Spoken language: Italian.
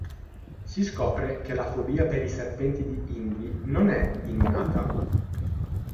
Si scopre che la fobia per i serpenti di Indy non è innata.